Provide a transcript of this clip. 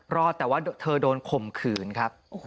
รอดแต่ว่าเธอโดนข่มขืนครับ